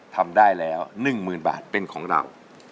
ทำได้แล้ว๑๐๐๐บาทเป็นของเรา